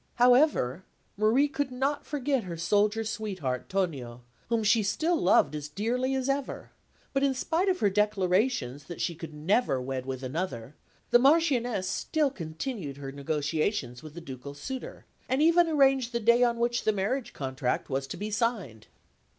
However, Marie could not forget her soldier sweetheart, Tonio, whom she still loved as dearly as ever; but in spite of her declarations that she could never wed with another, the Marchioness still continued her negotiations with the ducal suitor, and even arranged the day on which the marriage contract was to be signed.